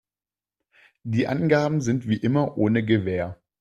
Die Angaben sind wie immer ohne Gewähr.